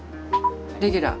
レギュラー。